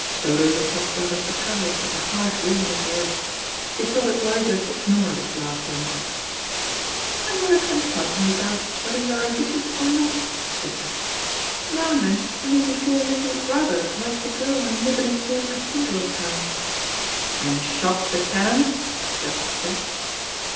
Dodo looked up rather surprised at the hard ring in his voice. She thought it wiser to ignore this last remark. "I never can quite make out whether you are ambitious or not," she said. "Now and then you make me feel as if you would rather like to go and live in a small cathedral town " "And shock the canons?" suggested Jack.